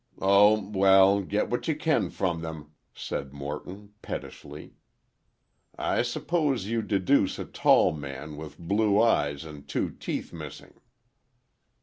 "Oh, well, get what you can from them," said Morton, pettishly. "I suppose you deduce a tall man, with blue eyes and two teeth missing."